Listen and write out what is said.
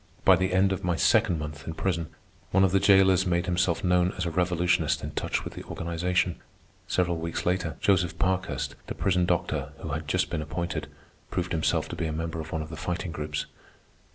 By the end of my second month in prison, one of the jailers made himself known as a revolutionist in touch with the organization. Several weeks later, Joseph Parkhurst, the prison doctor who had just been appointed, proved himself to be a member of one of the Fighting Groups.